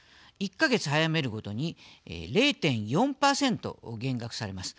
１か月早めるごとに０．４％減額されます。